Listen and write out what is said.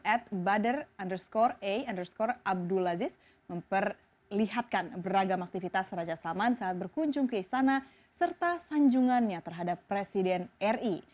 at badar underscore a underscore abdul aziz memperlihatkan beragam aktivitas raja salman saat berkunjung ke istana serta sanjungannya terhadap presiden ri